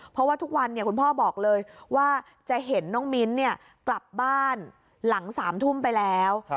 เพราะว่าทุกวันคุณพ่อบอกเลยว่าจะเห็นน้องมิ้นกลับบ้านหลัง๓ทุ่มไปแล้ว